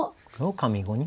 上五に。